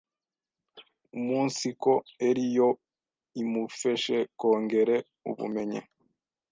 umunsiko eri yo imufeshe kongere ubumenyi.